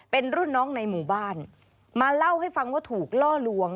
เป็นรุ่นน้องในหมู่บ้านมาเล่าให้ฟังว่าถูกล่อลวง